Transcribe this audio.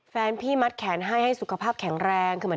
แฟนพี่มัดแขนให้ให้สุขภาพแข็งแรง